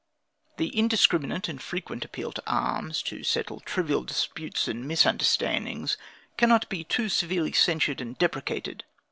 The indiscriminate and frequent appeal to arms, to settle trivial disputes and misunderstandings, cannot be too severely censured and deprecated.